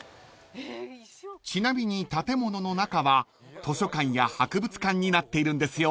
［ちなみに建物の中は図書館や博物館になっているんですよ］